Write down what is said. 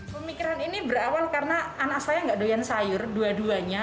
pemikiran ini berawal karena anak saya nggak doyan sayur dua duanya